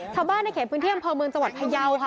ชาวบ้านในเขตพื้นเที่ยมเผอร์เมืองจังหวัดพยาวค่ะ